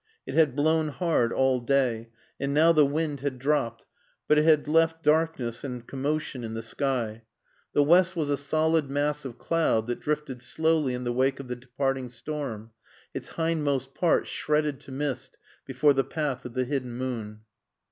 It had blown hard all day, and now the wind had dropped, but it had left darkness and commotion in the sky. The west was a solid mass of cloud that drifted slowly in the wake of the departing storm, its hindmost part shredded to mist before the path of the hidden moon.